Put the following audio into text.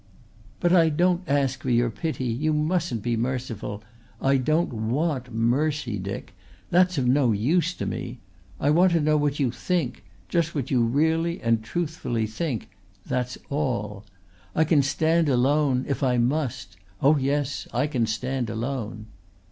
"But I don't ask for your pity. You mustn't be merciful. I don't want mercy, Dick. That's of no use to me. I want to know what you think just what you really and truthfully think that's all. I can stand alone if I must. Oh yes, I can stand alone."